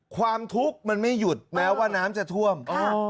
ความทุกข์มันไม่หยุดแม้ว่าน้ำจะท่วม